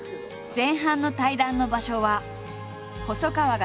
前半の対談の場所は細川が